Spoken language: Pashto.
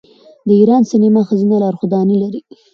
د ایران سینما ښځینه لارښودانې لري.